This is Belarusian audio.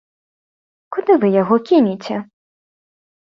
Куды вы яго кінеце?